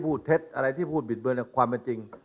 อื้ออะไรที่พูดเท็จความเป็นจริง